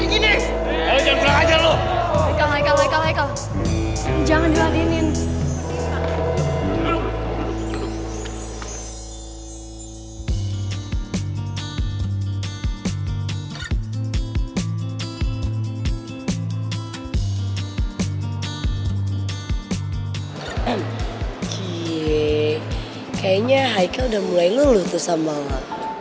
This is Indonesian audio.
giee kayaknya haike udah mulai leluh tuh sama lo